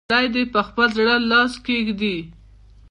هر سړی دې پر خپل زړه لاس کېږي.